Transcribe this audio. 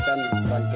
atau ini oleh tim